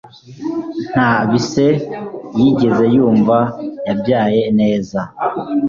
Nta bise canvas yigeze yumva yabyaye neza